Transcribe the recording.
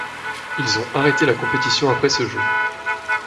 Ils ont arrêté la compétition après ces jeux.